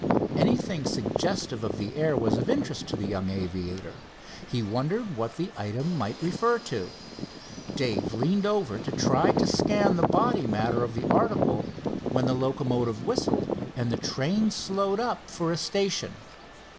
Anything suggestive of the air was of interest to the young aviator. He wondered what the item might refer to. Dave leaned over to try to scan the body matter of the article, when the locomotive whistled and the train slowed up for a station.